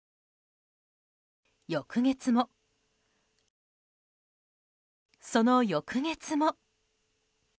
翌月も、その翌月も。